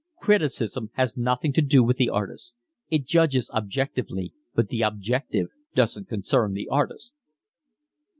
Criticism has nothing to do with the artist. It judges objectively, but the objective doesn't concern the artist."